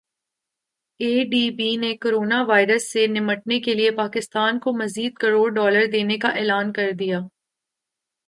اے D B نے corona virus سے نمٹنے کیلئے پاکستان کو مزید کروڑ ڈالر دینے کا اعلان کردیا